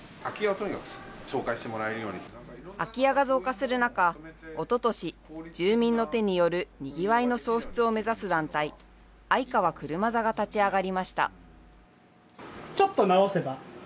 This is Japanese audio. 空き家が増加する中、おととし、住民の手によるにぎわいの創出を目指す団体、相川車座が立ち上がりました。